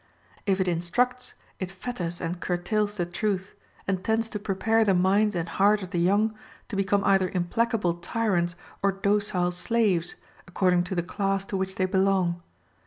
If it instructs, it fetters and curtails the truth, and tends to prepare the mind and heart of the young to become either implacable tyrants or docile slaves, according to the class to which they belong.